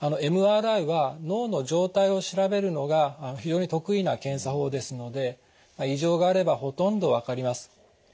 ＭＲＩは脳の状態を調べるのが非常に得意な検査法ですので異常があればほとんど分かります。